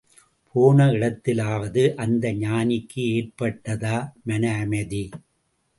போன இடத்திலாவது அந்த ஞானிக்கு ஏற்பட்டதா மன அமைதி?